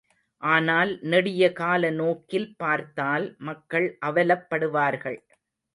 ஆனால் நெடிய கால நோக்கில் பார்த்தால் மக்கள் அவலப்படுவார்கள்.